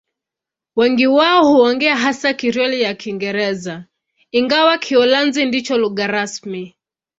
Wengi wao huongea hasa Krioli ya Kiingereza, ingawa Kiholanzi ndicho lugha rasmi.